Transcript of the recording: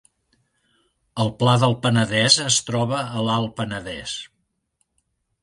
El Pla del Penedès es troba a l’Alt Penedès